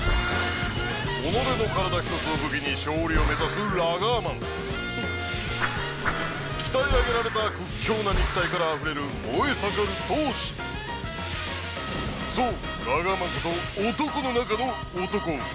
己の体一つを武器に勝利を目指すラガーマン鍛え上げられた屈強な肉体からあふれる燃え盛る闘志そう！